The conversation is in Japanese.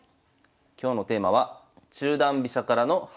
今日のテーマは「中段飛車からの端攻め」です。